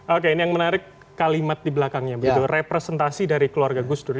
oke ini yang menarik kalimat di belakangnya begitu representasi dari keluarga gus dur